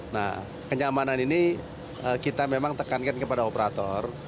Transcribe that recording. nah kenyamanan ini kita memang tekankan kepada operator